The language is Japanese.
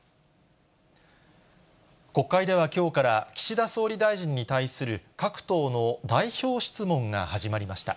国会ではきょうから岸田総理大臣に対する各党の代表質問が始まりました。